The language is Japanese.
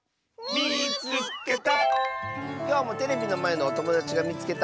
「みいつけた！」。